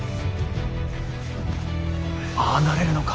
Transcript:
ああなれるのか